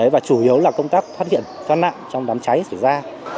và chủ yếu là công tác phát hiện thoát nạn trong đám cháy xảy ra